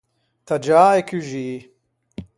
Taggiâ e cuxî.